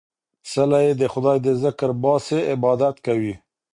څله يې د خداى د ذکر باسې ، عبادت کوي